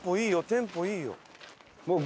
テンポいいよ。